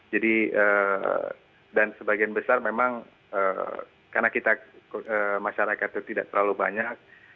jadi dan sebagian besar memang karena kita masyarakat itu tidak terlalu banyak